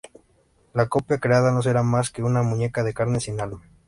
La copia creada no será más que una muñeca de carne sin alma.